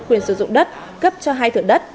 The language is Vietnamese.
quyền sử dụng đất cấp cho hai thửa đất